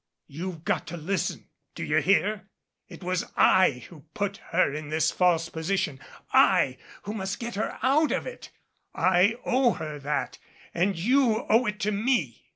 "You've got to listen! Do you hear? It was I who put her in this false position. I who must get her out of it. I owe her that and you owe it to me."